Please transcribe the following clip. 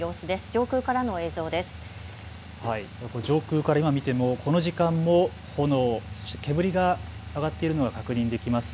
上空から見てもこの時間も炎、そして煙が上がっているのが確認できます。